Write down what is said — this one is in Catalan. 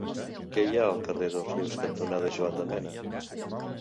Què hi ha al carrer Dosrius cantonada Juan de Mena?